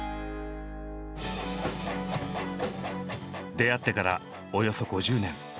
出会ってからおよそ５０年。